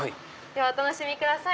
お楽しみください。